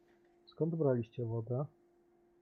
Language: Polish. "Skąd braliście wodę?"